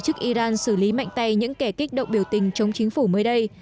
chức iran xử lý mạnh tay những kẻ kích động biểu tình chống chính phủ mới đây